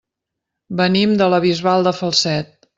Venim de la Bisbal de Falset.